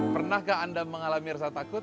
pernahkah anda mengalami rasa takut